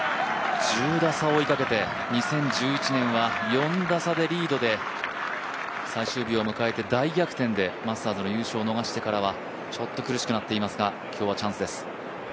１０打差を追いかけて２０１１年は４打差でリードで、最終日を迎えて、大逆転でマスターズの優勝を逃してからはちょっと苦しくなっていますが、今日はチャンスです。